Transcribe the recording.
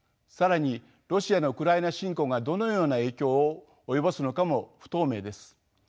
更にロシアのウクライナ侵攻がどのような影響を及ぼすのかも不透明です。